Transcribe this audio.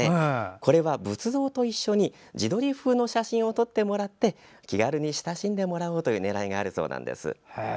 これは、仏像と一緒に自撮り風の写真を撮ってもらって気軽に親しんでもらおうという狙いがあるそうです。